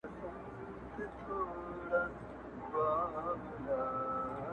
ماته مي قسمت له خپلي ژبي اور لیکلی دی!!